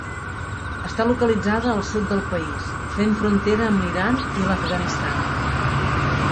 Està localitzada al sud del país, fent frontera amb l'Iran i l'Afganistan.